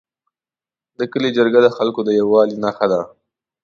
د کلي جرګه د خلکو د یووالي نښه ده.